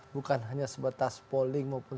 bukan hanya sebatas polling maupun